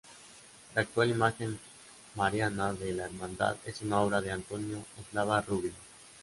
La actual imagen mariana de la hermandad es obra de Antonio Eslava Rubio.